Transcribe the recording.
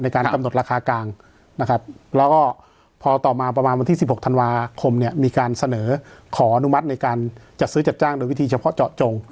การกำหนดราคากลางนะครับแล้วก็พอต่อมาประมาณวันที่๑๖ธันวาคมเนี่ยมีการเสนอขออนุมัติในการจัดซื้อจัดจ้างโดยวิธีเฉพาะเจาะจง